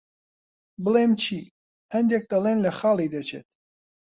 بڵێم چی، هەندێک دەڵێن لە خاڵی دەچێت.